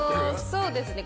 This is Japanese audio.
そうですね。